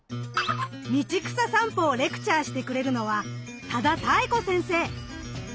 道草さんぽをレクチャーしてくれるのは多田多恵子先生。